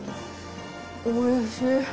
おいしい。